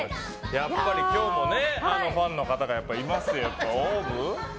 やっぱり今日もファンの方がいますよ。